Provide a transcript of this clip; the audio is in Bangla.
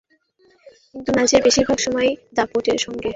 কিন্তু ম্যাচের বেশির ভাগ সময়ে দাপটের সঙ্গে খেলেও শেষ পর্যন্ত বিতর্কিত হার।